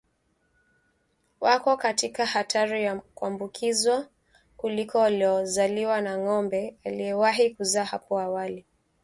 wako katika hatari ya kuambukizwa kuliko waliozaliwa na ng'ombe aliyewahi kuzaa hapo awali